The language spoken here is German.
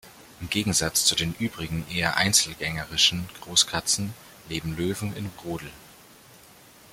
Im Gegensatz zu den übrigen, eher einzelgängerischen Großkatzen leben Löwen im Rudel.